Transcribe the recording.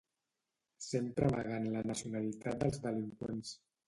Sempre amaguen la nacionalitat dels delinqüents